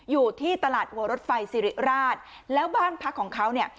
อยู่ที่ตลาดหัวรถไฟสิริราชแล้วบ้านพักของเขาเนี่ย